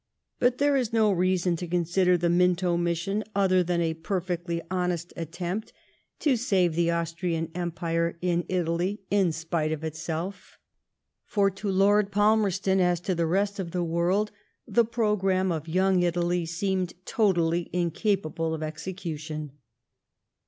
*'' But there is no reason to consider the Minto mission, other than a perfectly honest attempt to save the Aus YEAB8 OF REVOLUTION . 119 t^an empire in Italy in spite of itself. For to Lord FalmerstoDy as to tbe rest of the world, the programme of YoQDg Italy seemed totally incapable of execution.